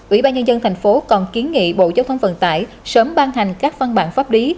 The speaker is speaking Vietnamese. ủy ban nhân dân thành phố còn kiến nghị bộ giao thông vận tải sớm ban hành các văn bản pháp lý